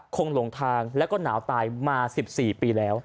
หลงทางแล้วก็หนาวตายมา๑๔ปีแล้ว